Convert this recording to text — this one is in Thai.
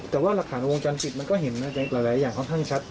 แต่ว่าหลักฐานวงจรปิดมันก็เห็นหลายอย่างค่อนข้างชัด